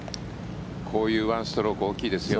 こういう１ストローク大きいですよ。